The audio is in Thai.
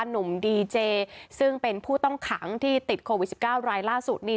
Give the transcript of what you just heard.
หนุ่มดีเจซึ่งเป็นผู้ต้องขังที่ติดโควิด๑๙รายล่าสุดนี่